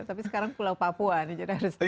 tapi sekarang pulau papua nih jadi harus